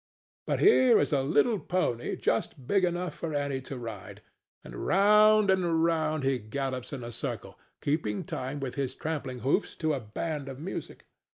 But here is a little pony just big enough for Annie to ride, and round and round he gallops in a circle, keeping time with his trampling hoofs to a band of music.